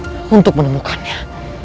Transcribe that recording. yang susah untuk menjelaskannya